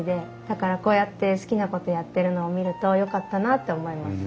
だからこうやって好きなことやってるのを見るとよかったなって思います。